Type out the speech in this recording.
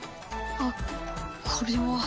あっこれは。